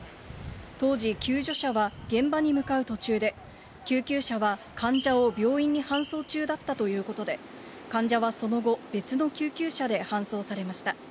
当時、救助車は現場に向かう途中で、救急車は患者を病院に搬送中だったということで、患者はその後、別の救急車で搬送されました。